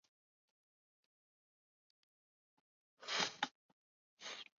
但是他人认为此是误记。